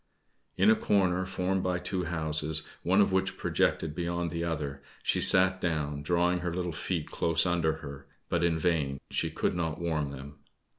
In a corner formed by two houses, one of which projected beyond the other, she sat down, drawing her little feet close under her, but in vain she could not warm them.